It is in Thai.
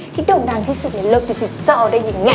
ที่ดมดันที่สุดในโลกดิจิตเจ้าได้ยิ่งไง